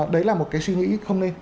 đấy là một cái suy nghĩ không nên